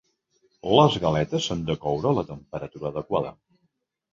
Les galetes s'han de coure a la temperatura adequada.